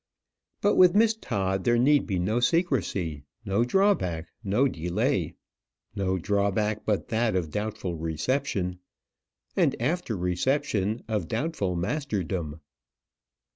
But with Miss Todd there need be no secrecy, no drawback, no delay no drawback but that of doubtful reception; and after reception, of doubtful masterdom.